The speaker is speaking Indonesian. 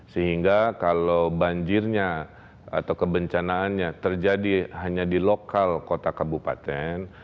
sehingga kalau banjirnya atau kebencanaannya terjadi hanya di lokal kota kabupaten